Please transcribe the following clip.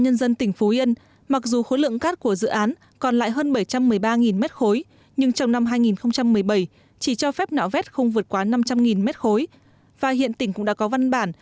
năm hai nghìn một mươi bảy chỉ cho phép nạo vét không vượt quá năm trăm linh mét khối và hiện tỉnh cũng đã có văn bản